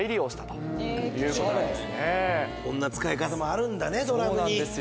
こんな使い方もあるんだねドラムに。